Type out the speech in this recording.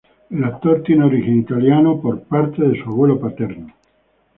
El actor tiene origen italiano de parte de su abuelo paterno.